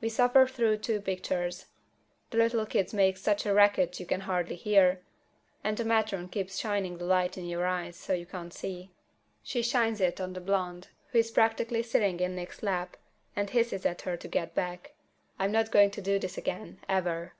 We suffer through the two pictures. The little kids make such a racket you can hardly hear, and the matron keeps shining the light in your eyes so you can't see. She shines it on the blonde, who is practically sitting in Nick's lap, and hisses at her to get back. I'm not going to do this again, ever.